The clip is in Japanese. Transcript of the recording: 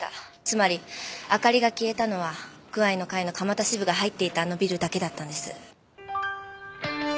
つまり明かりが消えたのはクアイの会の蒲田支部が入っていたあのビルだけだったんです。